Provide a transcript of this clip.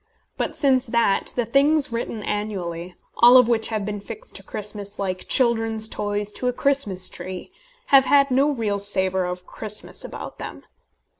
But since that the things written annually all of which have been fixed to Christmas like children's toys to a Christmas tree have had no real savour of Christmas about them.